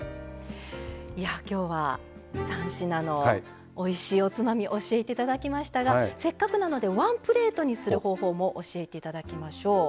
今日は３品のおいしいおつまみを教えていただきましたがせっかくなのでワンプレートにする方法も教えていただきましょう。